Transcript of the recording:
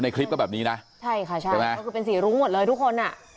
คลิปก็แบบนี้นะใช่ค่ะใช่ก็คือเป็นสีรุ้งหมดเลยทุกคนอ่ะ